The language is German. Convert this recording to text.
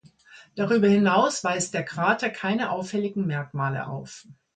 Darüber hinaus weist der Krater keine auffälligen Merkmale auf.